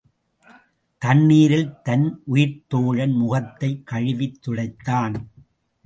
தண்ணீரில் தன் உயிர்த் தோழன் முகத்தைக் கழுவித் துடைத்தான்.